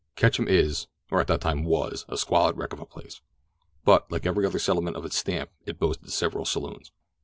Ketchum is, or at that time was, a squalid wreck of a place; but, like every other settlement of its stamp it boasted several saloons.